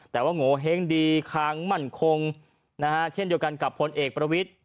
แต่ว่าโงเห้งดีคางมั่นคงนะฮะเช่นเดียวกันกับพลเอกประวิทธิ